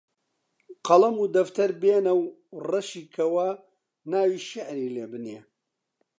قەڵەم و دەفتەر بێنە و ڕەشی کەوە ناوی شیعری لێ بنێ